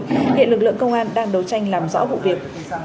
hiện lực lượng công an đang đấu tranh làm rõ vụ việc